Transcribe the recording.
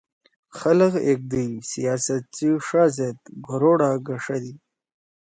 خلگ ایگدئی سیاست سی ݜا زید گھوروڑا گݜَدی۔